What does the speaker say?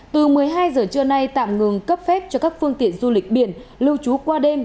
từ một mươi hai giờ trưa nay tạm ngừng cấp phép cho các phương tiện du lịch biển lưu trú qua đêm